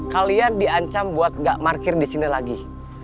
kalian diancam buat gak markir disini lagi